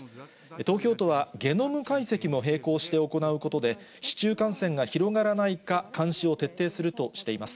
東京都は、ゲノム解析も並行して行うことで、市中感染が広がらないか、監視を徹底するとしています。